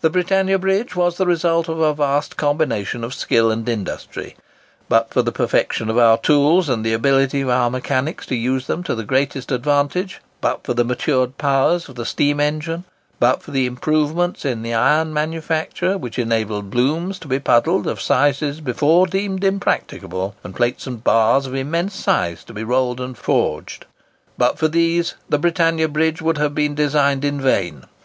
The Britannia Bridge was the result of a vast combination of skill and industry. But for the perfection of our tools and the ability of our mechanics to use them to the greatest advantage; but for the matured powers of the steam engine; but for the improvements in the iron manufacture, which enabled blooms to be puddled of sizes before deemed impracticable, and plates and bars of immense size to be rolled and forged; but for these, the Britannia Bridge would have been designed in vain.